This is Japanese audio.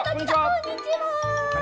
こんにちは。